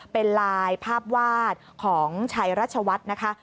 เป็นลายภาพวาดของชัยรัชวัฒน์นะคะ